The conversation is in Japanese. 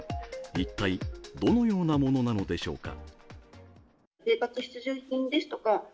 一体どのようなものなのでしょうか？